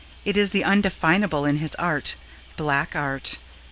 It is the undefinable in his art black art.